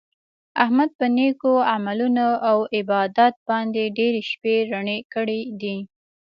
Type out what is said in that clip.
احمد په نېکو عملونو او عبادت باندې ډېرې شپې رڼې کړي دي.